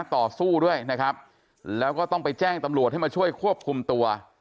ต่อสู้ด้วยนะครับแล้วก็ต้องไปแจ้งตำรวจให้มาช่วยควบคุมตัว